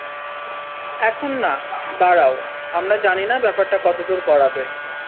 এখন না, দাঁড়াও, আমরা জানিনা ব্যপারটা কতদুর গড়াবে।